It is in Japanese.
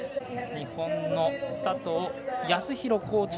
日本の佐藤康弘